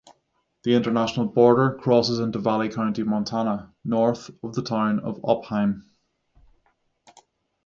The international border crosses into Valley County, Montana, north of the town of Opheim.